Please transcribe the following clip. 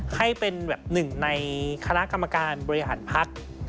ให้เป็นแบบหนึ่งในคณะกรรมการบริหารพัก